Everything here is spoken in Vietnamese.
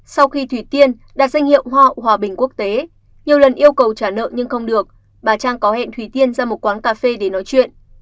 sau khi thủy tiên đạt danh hiệu hoa hòa bình quốc tế nhiều lần yêu cầu trả nợ nhưng không được bà trang có hẹn thủy tiên ra một quán cà phê để nói chuyện